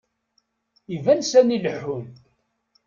Iban sani leḥḥun.